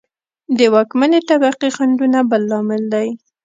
د واکمنې طبقې خنډونه بل لامل دی